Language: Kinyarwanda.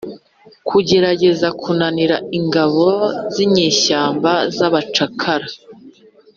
kugerageza kunanira ingabo z'inyeshyamba z'abacakara